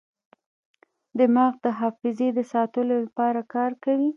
دماغ د حافظې د ساتلو لپاره کار کوي.